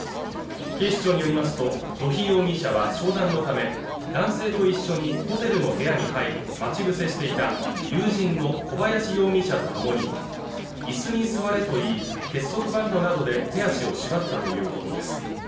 警視庁によりますと土肥容疑者は商談のため男性と一緒にホテルの部屋に入り待ち伏せしていた友人の小林容疑者とともに椅子に座れといい結束バンドなどで手足を縛ったということです